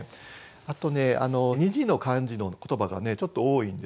あとね２字の漢字の言葉がちょっと多いんですね。